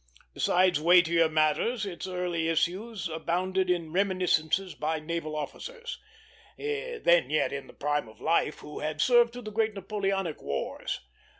Besides weightier matters, its early issues abounded in reminiscences by naval officers, then yet in the prime of life, who had served through the great Napoleonic wars.